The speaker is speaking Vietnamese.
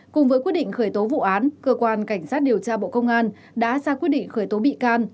cùng với quyết định khởi tố vụ án cơ quan cảnh sát điều tra bộ công an đã ra quyết định khởi tố bị can